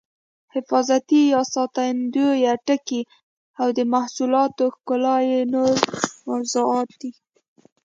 حفاظتي یا ساتندویه ټکي او د محصولاتو ښکلا یې نور موضوعات دي.